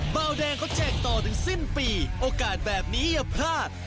เบาแดงเขาแจกต่อถึงสิ้นปีโอกาสแบบนี้อย่าพลาด